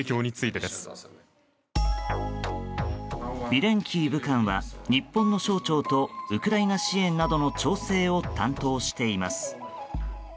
ビレンキー武官は日本の省庁とウクライナ支援などの調整を担当しています。